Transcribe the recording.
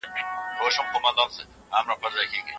دا مېتود د پوهې ژورتیا زیاتوي.